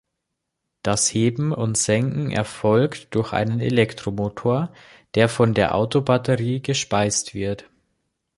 Das Heben und Senken erfolgt durch einen Elektromotor, der von der Autobatterie gespeist wird.